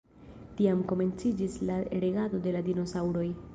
Tiam komenciĝis la regado de la dinosaŭroj.